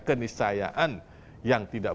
kenisayaan yang tidak